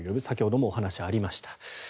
先ほどもお話にありました。